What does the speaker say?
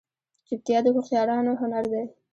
چوپتیا، د هوښیارانو هنر دی.